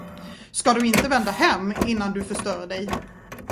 Ska du inte vända om hem, innan du förstör dig?